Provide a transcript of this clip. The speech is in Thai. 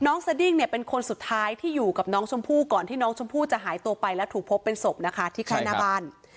สดิ้งเนี่ยเป็นคนสุดท้ายที่อยู่กับน้องชมพู่ก่อนที่น้องชมพู่จะหายตัวไปแล้วถูกพบเป็นศพนะคะที่แค่หน้าบ้าน